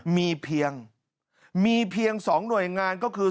มีเพียง๒หน่วยงานก็คือ